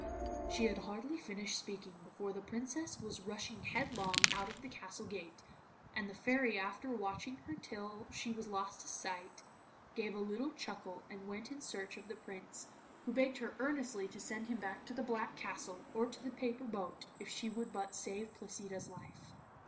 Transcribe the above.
She had hardly finished speaking before the Princess was rushing headlong out of the castle gate, and the Fairy after watching her till she was lost to sight, gave a little chuckle and went in search of the Prince, who begged her earnestly to send him back to the Black Castle, or to the paper boat if she would but save Placida's life.